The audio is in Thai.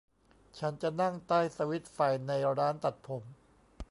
ฉันจะนั่งใต้สวิตช์ไฟในร้านตัดผม